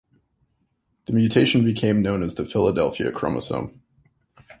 The mutation became known as the Philadelphia chromosome.